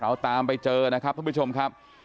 เราตามไปเจอนะครับทุกผู้ชมครับ